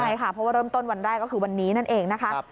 ใช่ค่ะเพราะว่าเริ่มต้นวันแรกก็คือวันนี้นั่นเองนะคะ